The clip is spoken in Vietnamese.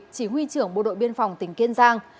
chỉ huy trưởng bộ đội biên phòng tỉnh kiên giang